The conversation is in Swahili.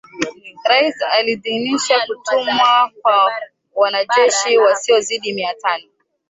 Rais aliidhinisha kutumwa kwa wanajeshi wasiozidi mia tano